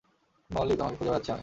মলি, তোমাকে খুঁজে বেড়াচ্ছি আমি।